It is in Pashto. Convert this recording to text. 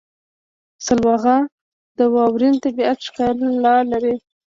سلواغه د واورین طبیعت ښکلا لري.